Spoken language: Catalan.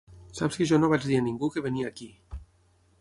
Saps que jo no vaig dir a ningú que venia aquí.